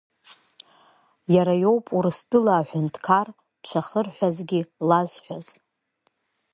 Иара иоуп Урыстәыла аҳәынҭқар дшахырҳәазгьы лазҳәаз.